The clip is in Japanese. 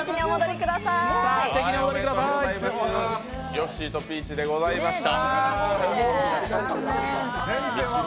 ヨッシーとピーチでございました。